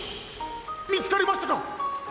みつかりましたか！？